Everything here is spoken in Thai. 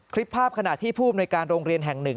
คลิปภาพขณะที่ผู้อำนวยการโรงเรียนแห่งหนึ่ง